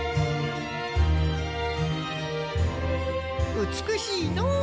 うつくしいのう。